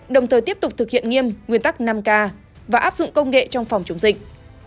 đồng thời tiếp tục thực hiện nghiêm nguyên tắc năm k và áp dụng công nghệ trong phòng chống dịch